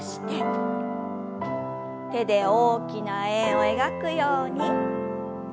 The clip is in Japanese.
手で大きな円を描くように。